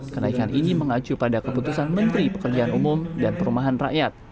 kenaikan ini mengacu pada keputusan menteri pekerjaan umum dan perumahan rakyat